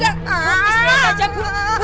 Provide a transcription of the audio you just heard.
istirahat aja bu